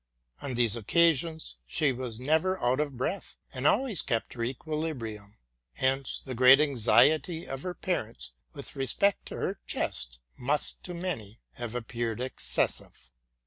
On these occasions she was never out of breath, and always kept her equilibrium. Hence the great anxiety of her parents with respect to her chest must to many have appeared excessive.